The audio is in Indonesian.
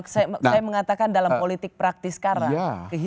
saya mengatakan dalam politik praktis sekarang